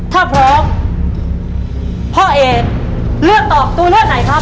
ถ้าพร้อมพ่อเอกเลือกตอบตัวเลือกไหนครับ